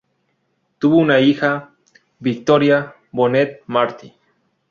Tuvo una hija, Victoria Bonet Marti.